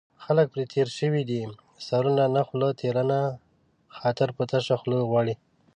خلک پرې تېر شوي دي سرونو نه خوله ترېنه خاطر په تشه خوله غواړي